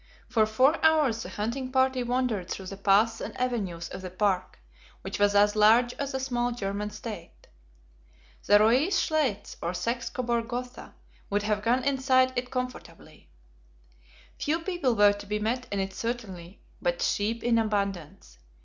For four hours the hunting party wandered through the paths and avenues of the park, which was as large as a small German state. The Reuiss Schleitz, or Saxe Coburg Gotha, would have gone inside it comfortably. Few people were to be met in it certainly, but sheep in abundance.